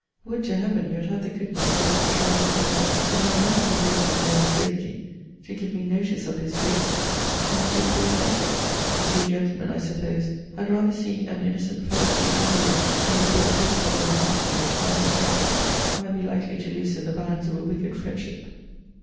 Would to Heaven, you had had the goodness to have contrived some way, that might not have endangered your own safety, to give me notice of his baseness, since you approved not of it! But you gentlemen, I suppose, had rather see an innocent fellow creature ruined, than be thought capable of an action, which, however generous, might be likely to loosen the bands of a wicked friendship!'